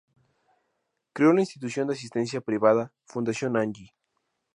Creó la Institución de Asistencia Privada ""Fundación Angie"".